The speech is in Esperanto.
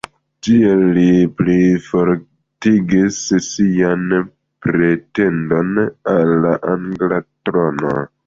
Tiel li plifortigis sian pretendon al la angla trono.